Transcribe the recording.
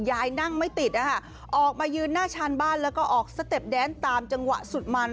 นั่งไม่ติดนะคะออกมายืนหน้าชานบ้านแล้วก็ออกสเต็ปแดนตามจังหวะสุดมัน